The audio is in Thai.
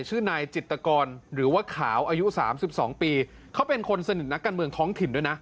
ชื่อนายจิตกรหรือว่าขาวอายุสามสิบสองปีเขาเป็นคนสนิทนักการเมืองท้องถิ่นด้วยนะ